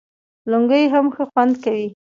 لنګۍ هم ښه خوند کوي